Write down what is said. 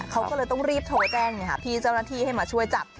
เขาก็เลยต้องรีบโทรแจ้งพี่เจ้าหน้าที่ให้มาช่วยจับ